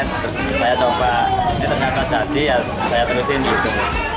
terus saya coba di tengah kecadi ya saya terusin gitu